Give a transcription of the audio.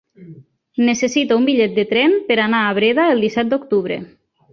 Necessito un bitllet de tren per anar a Breda el disset d'octubre.